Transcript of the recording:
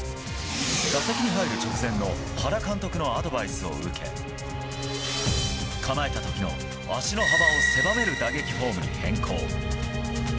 打席に入る直前の原監督のアドバイスを受け構えた時の足の幅を狭める打撃フォームに変更。